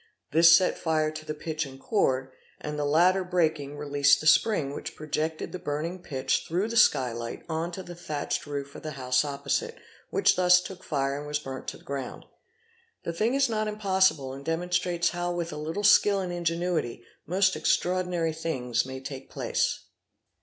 This set fire to the pitch and cord, and the latter breaking released the spring, which projected the burning pitch through the sky light on to the thatched roof of the house opposite, which thus took fire and was burnt to the ground. The thing is not impossible and demonstrates how, with a little skill and ingenuity, most extraordinary things may take place.